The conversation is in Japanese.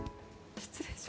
失礼します。